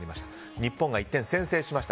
日本が１点先制しました。